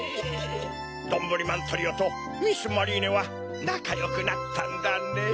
どんぶりまんトリオとミス・マリーネはなかよくなったんだねぇ。